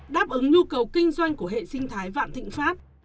đáp ứng nhu cầu kinh doanh của hệ sinh thái vạn thịnh pháp